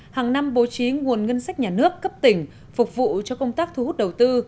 hàng năm bố trí nguồn ngân sách nhà nước cấp tỉnh phục vụ cho công tác thu hút đầu tư